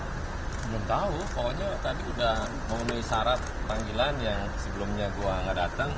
belum tahu pokoknya tadi udah memenuhi syarat panggilan yang sebelumnya gue gak datang